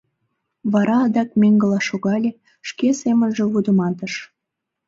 Вара адак меҥгыла шогале, шке семынже вудыматыш: